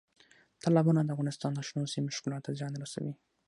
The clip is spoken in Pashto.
تالابونه د افغانستان د شنو سیمو ښکلا ته زیان رسوي.